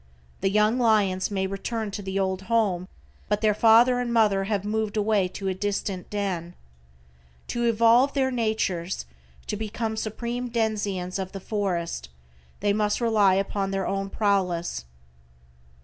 The young lions may return to the old home, but their father and mother have moved away to a distant den. To evolve their natures, to become supreme denizens of the forest they must rely upon their own prowess.